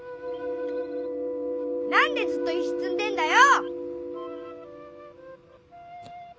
何でずっと石つんでんだよ！？